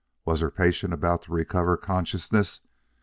Was her patient about to recover consciousness?